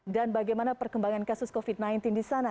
dan bagaimana perkembangan kasus covid sembilan belas di sana